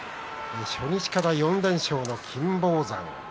初日から４連勝は、金峰山です。